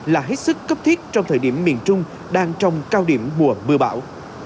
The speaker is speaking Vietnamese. là hết sức cấp thiết trong thời điểm miền trung đang trong cao điểm mùa mưa bão